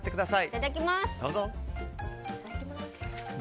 いただきます！